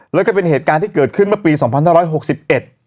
แล้วก็เป็นเหตุการณ์ที่เกิดขึ้นเมื่อปีสองพันห้าร้อยหกสิบเอ็ด